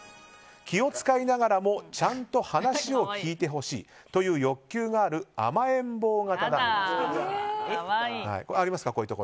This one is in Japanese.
気を使いながらもちゃんと話を聞いてほしいという欲求がある甘えん坊型だと。